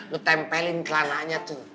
lu tempelin ke lana nya tuh